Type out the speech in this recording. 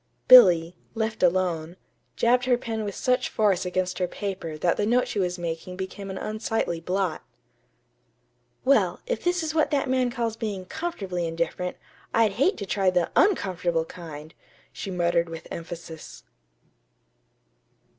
Billy, left alone, jabbed her pen with such force against her paper that the note she was making became an unsightly blot. "Well, if this is what that man calls being 'comfortably indifferent,' I'd hate to try the _un_comfortable kind," she muttered with emphasis.